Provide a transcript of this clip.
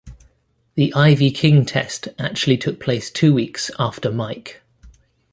The Ivy King test actually took place two weeks after Mike.